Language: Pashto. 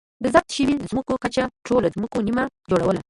د ضبط شویو ځمکو کچې ټولو ځمکو نییمه جوړوله.